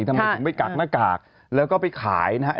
ทำไมถึงไปกักหน้ากากแล้วก็ไปขายนะฮะ